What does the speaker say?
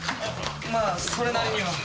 まあそれなりには。